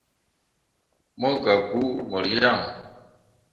Mo gah buu mor yaŋ.